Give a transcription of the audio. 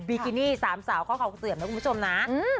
บิกินี่๓สาวข้อขอบคุณสุดยอดนะคุณผู้ชมนะ